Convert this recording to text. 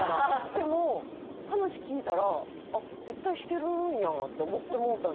でも話聞いたら絶対してるんやって思ってもうたんですよ。